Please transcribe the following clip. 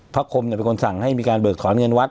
คมเป็นคนสั่งให้มีการเบิกถอนเงินวัด